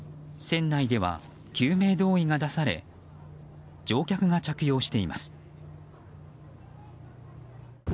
船内では、救命胴衣が出され乗客が着用しています。